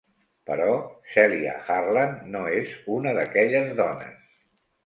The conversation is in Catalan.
Però Celia Harland no és una d'aquelles dones.